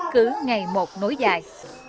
cứ ngày một nối dài